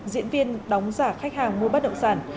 diễn viên đóng giả khách hàng mua bất động sản